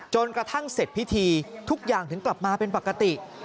จนกระทั่งเสร็จพิธีทุกอย่างถึงกลับมาเป็นปกติ